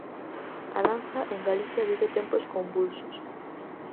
A danza en Galicia vive tempos convulsos.